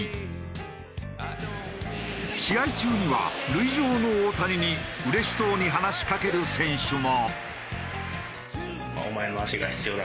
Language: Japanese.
試合中には塁上の大谷にうれしそうに話しかける選手も。